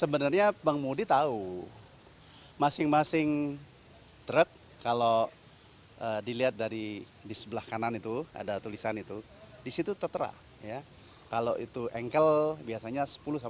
sebenarnya pengemudi tahu masing masing truk kalau dilihat dari di sebelah kanan itu ada tulisan itu disitu tertera ya kalau itu engkel biasanya sepuluh sampai